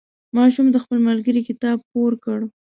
ماشوم د خپل ملګري کتاب پور کړ.